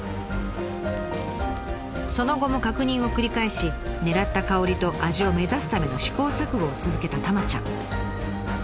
その後も確認を繰り返し狙った香りと味を目指すための試行錯誤を続けたたまちゃん。